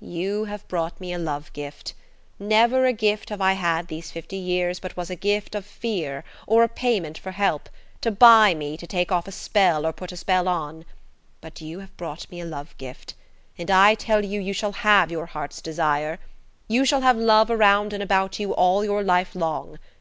"You have brought me a love gift. Never a gift have I had these fifty years but was a gift of fear or a payment for help–to buy me to take off a spell or put a spell on. But you have brought me a love gift, and I tell you you shall have your heart's desire. You shall have love around and about you all your life long.